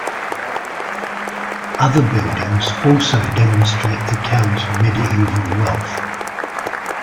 Other buildings also demonstrate the town's medieval wealth.